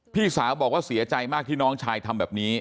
พี่สาวบอกว่าเสียใจมากที่น้องชายทำแบบนี้